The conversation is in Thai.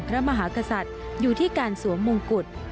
พระมหากษัตริย์อยู่ที่การสวมมงกุฎ